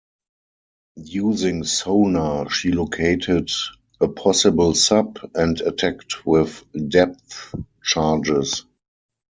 Using sonar she located a possible sub, and attacked with depth charges.